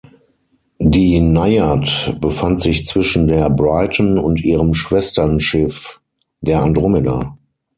Die „Naiad“ befand sich zwischen der „Brighton“ und ihrem Schwesternschiff, der „Andromeda“.